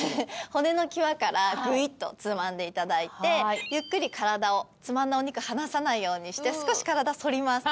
骨の際からグイッとつまんでいただいてゆっくり体をつまんだお肉離さないようにして少し体反ります